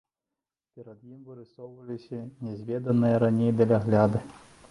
Перад ім вырысоўваліся нязведаныя раней далягляды.